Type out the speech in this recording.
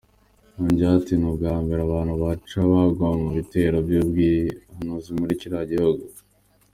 Yongeyeho ati "Ni ubwambere abantu bacu bagwa mu bitero by’ubwiyahuzi muri kiriya gihugu.